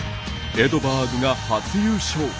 エドバーグが初優勝。